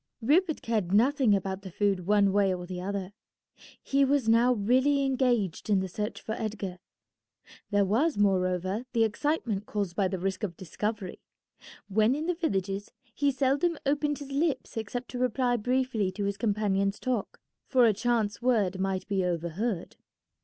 Rupert cared nothing about the food one way or the other. He was now really engaged in the search for Edgar. There was, moreover, the excitement caused by the risk of discovery. When in the villages he seldom opened his lips except to reply briefly to his companion's talk, for a chance word might be overheard.